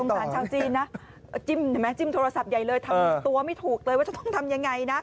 สารชาวจีนนะจิ้มเห็นไหมจิ้มโทรศัพท์ใหญ่เลยทำตัวไม่ถูกเลยว่าจะต้องทำยังไงนะ